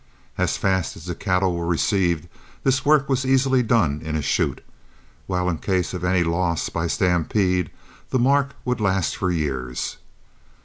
As fast as the cattle were received this work was easily done in a chute, while in case of any loss by stampede the mark would last for years.